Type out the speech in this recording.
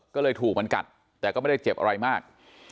ก็เลยถูกมันกัดแต่ก็ไม่ได้เจ็บอะไรมาก